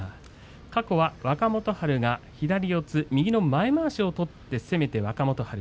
過去は若元春が左四つ右の前まわしを取って攻めて若元春。